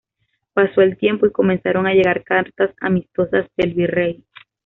Pasó el tiempo y comenzaron a llegar cartas amistosas del Virrey.